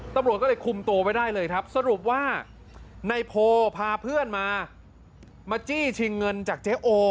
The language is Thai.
ตำรวจก็เลยคุมตัวไว้ได้เลยครับสรุปว่าในโพพาเพื่อนมามาจี้ชิงเงินจากเจ๊โอ